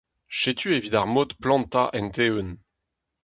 Setu evit ar mod plantañ ent-eeun.